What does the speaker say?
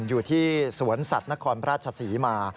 อยู่ที่สวนสัตว์นครราชศรีมา